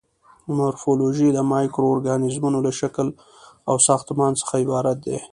مورفولوژي د مایکرو ارګانیزمونو له شکل او ساختمان څخه عبارت دی.